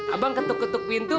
abang ketuk ketuk pintu